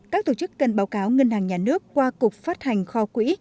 các tổ chức cần báo cáo ngân hàng nhà nước qua cục phát hành kho quỹ